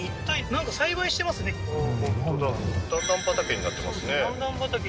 本当だ段々畑になってますね